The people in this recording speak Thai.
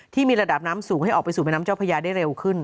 ที่มีระดับน้ำสูงให้ออกไปสู่แม่น้ำเจ้าพญาได้เร็วขึ้น